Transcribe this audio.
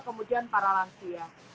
kemudian para lansia